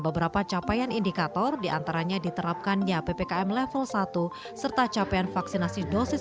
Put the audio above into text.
beberapa capaian indikator diantaranya diterapkannya ppkm level satu serta capaian vaksinasi dosis